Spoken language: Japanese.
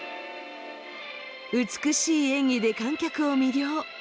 美しい演技で観客を魅了。